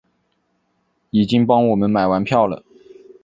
已经帮我们买完票了